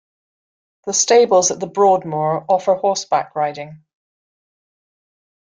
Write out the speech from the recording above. The Stables at the Broadmoor offer horseback riding.